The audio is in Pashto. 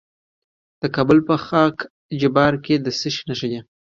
د کابل په خاک جبار کې د څه شي نښې دي؟